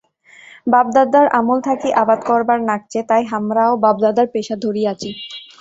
বাপ-দাদার আমল থাকি আবাদ করব্যার নাগচে, তাই হামরাও বাপ-দাদার পেশা ধরি আচি।